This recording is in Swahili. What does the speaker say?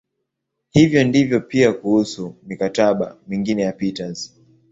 Hivyo ndivyo pia kuhusu "mikataba" mingine ya Peters.